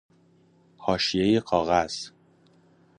حاشیه کاغذ